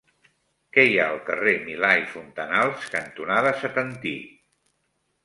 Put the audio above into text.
Què hi ha al carrer Milà i Fontanals cantonada Setantí?